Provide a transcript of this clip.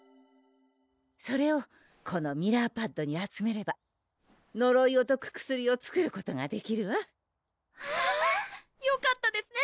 それをこのミラーパッドに集めればのろいをとく薬を作ることができるわよかったですね